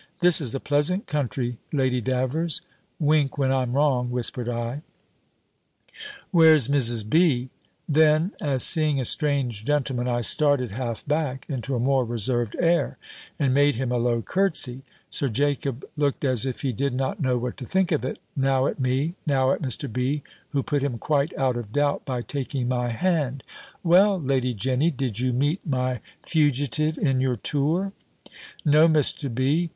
"This is a pleasant country, Lady Davers." ("Wink when I'm wrong," whispered I), "Where's Mrs. B.?" Then, as seeing a strange gentleman, I started half back, into a more reserved air; and made him a low curt'sy. Sir Jacob looked as if he did not know what to think of it, now at me, now at Mr. B. who put him quite out of doubt, by taking my hand: "Well, Lady Jenny, did you meet my fugitive in your tour?" "No, Mr. B.